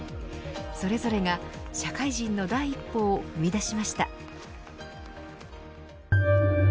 それぞれが、社会人の第一歩を踏み出しました。